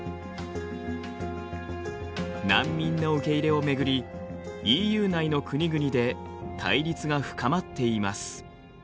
難民の受け入れを巡りＥＵ内の国々で対立が深まっています。